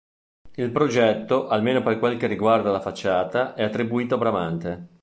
Il progetto, almeno per quel che riguarda la facciata, è attribuito a Bramante.